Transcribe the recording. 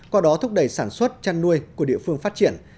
qua đó thúc đẩy sản xuất chăn nuôi của địa phương phát triển